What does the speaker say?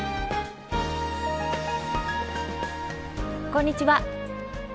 こんにちは。